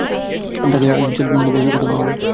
তাকে আমি এক বিশাল বংশের প্রধান বানাব।